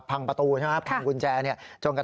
นอนผูไว้แค่นั้นและที่เท้าอ่ะใช่ค่ะ